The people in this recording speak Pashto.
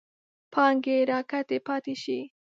پانګې راکدې پاتې شي.